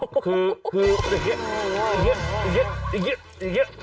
คือคืออย่างนี้อย่างนี้อย่างนี้อย่างนี้